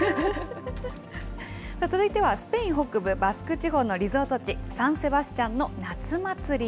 続いては、スペイン北部バスク地方のリゾート地、サン・セバスチャンの夏祭り。